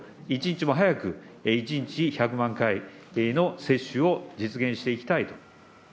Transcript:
一日も早く、１日１００万回の接種を実現していきたいと。